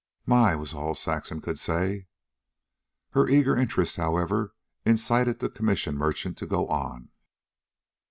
"My!" was all Saxon could say. Her eager interest, however, incited the commission merchant to go on.